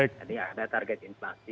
jadi ada target inflasi